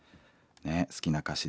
好きな歌詞です。